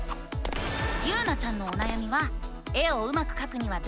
ゆうなちゃんのおなやみは「絵をうまくかくにはどうすればいいの？」